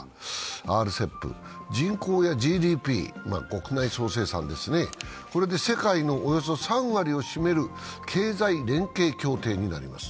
ＲＣＥＰ、人口やＧＤＰ＝国内総生産ですね、世界のおよそ３割を占める経済連携協定になります。